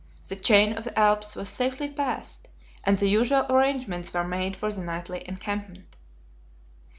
The chain of the Alps was safely passed, and the usual arrangements were made for the nightly encampment.